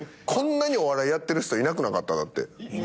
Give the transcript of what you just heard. こんなにお笑いやってる人いなくなかった？だって。